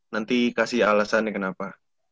nanti kasih alesannya kenapa